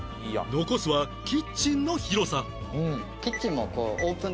残すはキッチンの広さ